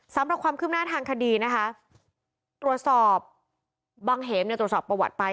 สำหรับความคืบหน้าทางคดีนะคะตรวจสอบบังเหมเนี่ยตรวจสอบประวัติไป